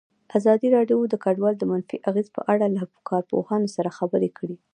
ازادي راډیو د کډوال د منفي اغېزو په اړه له کارپوهانو سره خبرې کړي.